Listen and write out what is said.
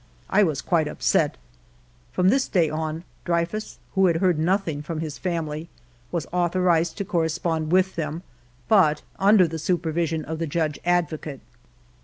I was quite upset. From this day on, Dreyfus, who had heard nothing from his family, was authorized to correspond with them, but under the supervision of the Judge Advocate.